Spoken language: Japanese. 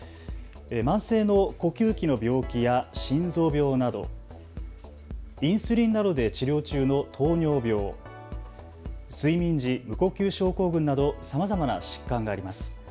慢性の呼吸器の病気や心臓病など、インスリンなどで治療中の糖尿病、睡眠時無呼吸症候群などさまざまな疾患があります。